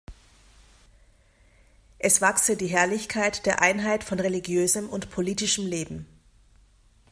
Es wachse die Herrlichkeit der Einheit von religiösem und politischem Leben.